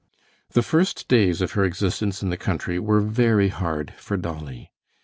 The first days of her existence in the country were very hard for Dolly.